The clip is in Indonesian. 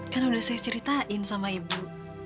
karena udah saya ceritain sama ibu